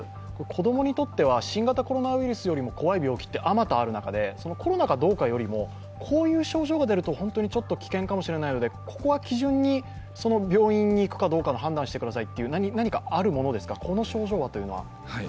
子供にとっては新型コロナウイルスよりも怖い病気があまたある中でコロナがどうかよりも、こういう症状が出ると本当に危険かもしれないので、ここは基準にその病院に行くかどうかの判断をしてくださいという何かあるものですか、この症状はというのは。